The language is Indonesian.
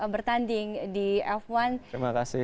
bertanding di f satu terima kasih